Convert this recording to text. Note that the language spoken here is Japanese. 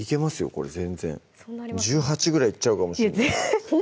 これ全然１８ぐらいいっちゃうかもしんない